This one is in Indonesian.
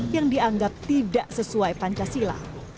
yang dianggap tidak sesuai pancasila